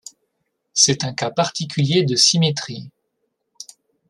C'est un cas particulier de symétrie.